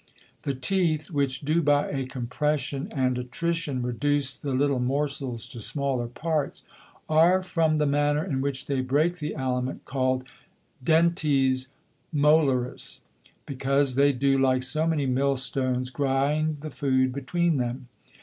The Teeth which do by a Compression and Attrition reduce the little Morsels to smaller Parts, are from the manner in which they break the Aliment, called Dentes Molares, because they do, like so many Mill stones, grind the Food between them.